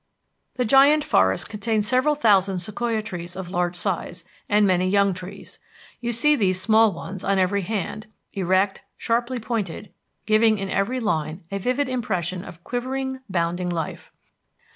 The Giant Forest contains several thousand sequoia trees of large size, and many young trees. You see these small ones on every hand, erect, sharply pointed, giving in every line a vivid impression of quivering, bounding life.